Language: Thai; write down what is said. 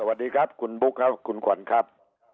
สวัสดีครับคุณบุ๊คครับคุณขวัญครับ